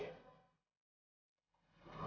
maka tambah ribet nanti